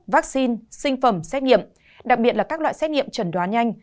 vaccine sinh phẩm xét nghiệm đặc biệt là các loại xét nghiệm trần đoán nhanh